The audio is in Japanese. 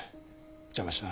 邪魔したな。